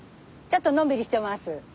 ちょっとのんびりしてます。